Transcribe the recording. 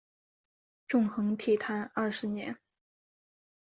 纵横体坛二十年。